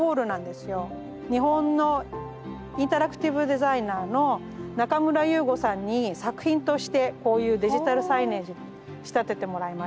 日本のインタラクティブデザイナーの中村勇吾さんに作品としてこういうデジタルサイネージに仕立ててもらいました。